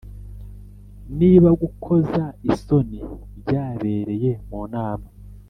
Niba gukoza isoni byabereye mu nama